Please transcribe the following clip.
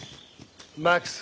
マックス。